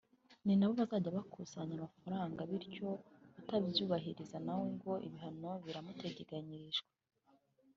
ni nabo bazajya bakusanya ayamafaranga bityo utazabyubahiriza nawe ngo ibihano biramuteganyirijwe